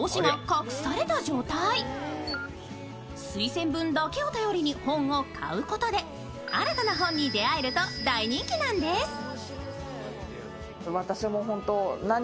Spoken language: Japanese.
推薦文だけを頼りに本を買うことで新たな本に出会えると大人気なんです。